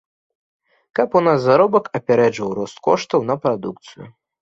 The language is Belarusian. Каб у нас заробак апярэджваў рост коштаў на прадукцыю.